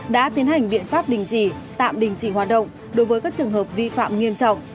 đã tiến hành biện pháp đình chỉ tạm đình chỉ hoạt động đối với các trường hợp vi phạm nghiêm trọng